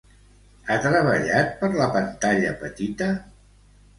Ha treballat per la pantalla petita?